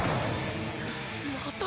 また。